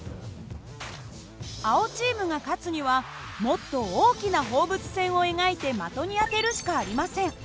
青チームが勝つにはもっと大きな放物線を描いて的に当てるしかありません。